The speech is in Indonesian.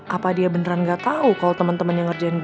apa dia beneran gak tau kalo temen temennya ngerjain gue